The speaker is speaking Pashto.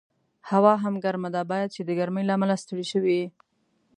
هوا هم ګرمه ده، باید چې د ګرمۍ له امله ستړی شوي یې.